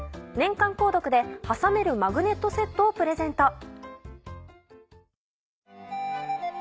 年間購読ではさめるマグネットセットをプレゼント。